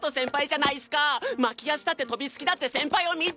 巻き足だって飛びつきだって先輩を見て！